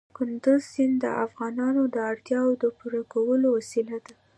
کندز سیند د افغانانو د اړتیاوو د پوره کولو وسیله ده.